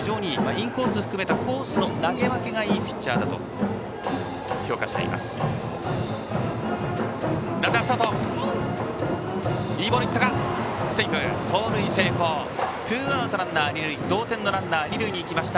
インコースを含めたコースの投げ分けがいいピッチャーだと評価しています。